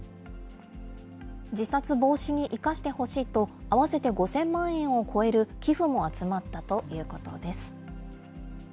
自殺防止に生かしてほしいと、合わせて５０００万円を超える寄付も集まったということです。